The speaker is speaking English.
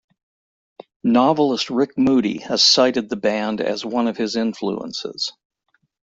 Novelist Rick Moody has cited the band as one of his influences.